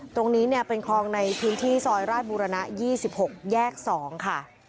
ตรงนี้เนี่ยเป็นคลองในพื้นที่ซอยราชบุรณะ๒๖แยก๒ค่ะ